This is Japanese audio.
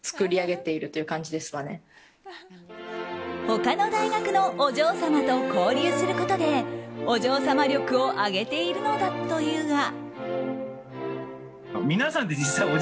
他の大学のお嬢様と交流することでお嬢様力を上げているというのだが。